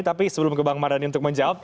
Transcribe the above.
tapi sebelum ke bang mardhani untuk menjawab